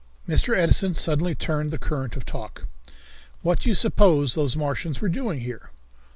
Mr. Edison suddenly turned the current of talk. "What do you suppose those Martians were doing here?"